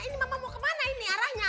ini bapak mau kemana ini arahnya